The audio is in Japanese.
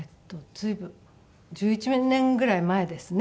随分１１年ぐらい前ですね